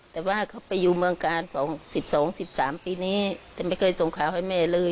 แต่ว่าเขาไปอยู่เมืองกาลสองสิบสองสิบสามปีนี้แต่ไม่เคยส่งข่าวให้แม่เลย